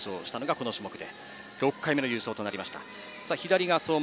これで６回目の優勝となりました。